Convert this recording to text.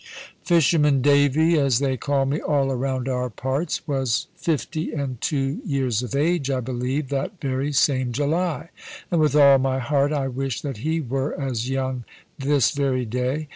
"Fisherman Davy" (as they call me all around our parts) was fifty and two years of age, I believe, that very same July, and with all my heart I wish that he were as young this very day.